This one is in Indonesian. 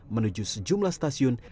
menuju sejumlah stasiun